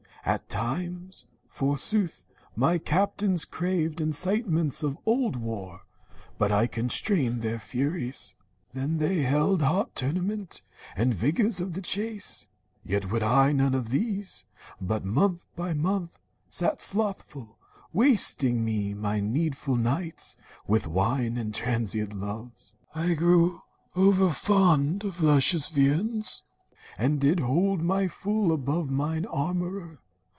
At times, forsooth, My captains craved incitements of old war, But I constrained their furies. Then they held Hot tournament, and vigors of the chase; Yet would I none of these, but, month by month, Sat slothful, wasting me my needful nights With wine and transient loves. I grew o'erfond Of luscious viands, and did hold my fool Above mine armorer.